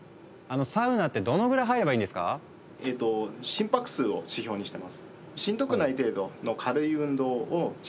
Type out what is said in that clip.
心拍数を指標にしてます。